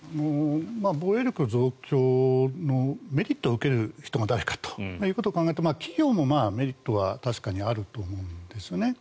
防衛力増強のメリットを受ける人が誰かということを考えると企業もメリットは確かにあると思うんですよね。